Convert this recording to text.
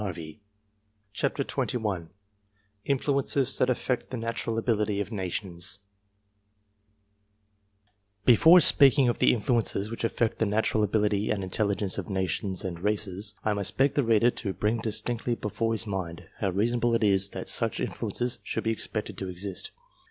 INFLUENCES THAT AFFECT THE INFLUENCES THAT AFFECT THE NATUKAL ABILITY OF NATIONS / BEFORE speaking of the influences which affect the / natural ability and intelligence of nations and races I must / beg the reader to bring distinctly before his mind how reasonable it is that such influences should be expected to I exist.